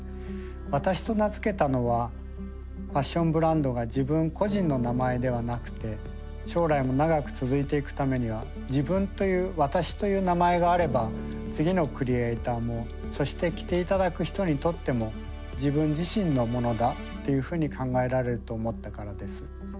「私」と名付けたのはファッションブランドが自分個人の名前ではなくて将来も長く続いていくためには自分という「私」という名前があれば次のクリエーターもそして着て頂く人にとっても自分自身のものだっていうふうに考えられると思ったからです。